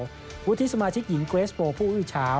วุฒิสมาชิกหญิงเกรสโบผู้อื้อเช้า